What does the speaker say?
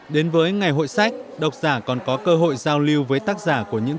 đến với ngày hội sách độc giả còn có cơ hội giao lưu với tác giả của những